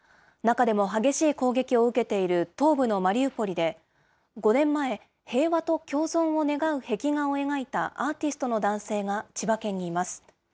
中でも激しい攻撃を受けている東部のマリウポリで、５年前、平和と共存を願う壁画を描いたアーティストの男性が千葉県にいます。